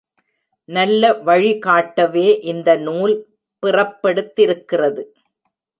நல்ல வழி காட்டவே இந்த நூல் பிறப்பெடுத்திருக்கிறது.